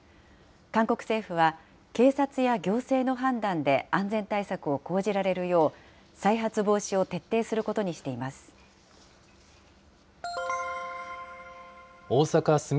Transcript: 韓国政府は、警察や行政の判断で安全対策を講じられるよう、再発防止を徹底することにしています。